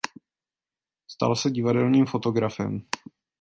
Stal se divadelním fotografem.